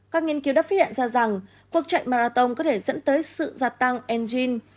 các nghiên cứu đã phát hiện ra rằng cuộc chạy marathon có thể dẫn tới sự gia tăng enzym